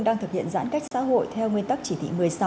đang thực hiện giãn cách xã hội theo nguyên tắc chỉ thị một mươi sáu